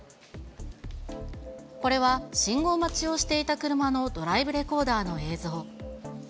これは、信号待ちをしていた車のドライブレコーダーの映像。